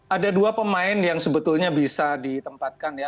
ada dua pemain yang sebetulnya bisa ditempatkan ya